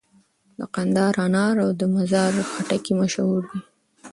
د کندهار انار او د مزار خټکي مشهور دي.